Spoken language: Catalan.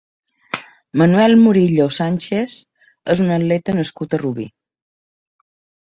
Manuel Murillo Sánchez és un atleta nascut a Rubí.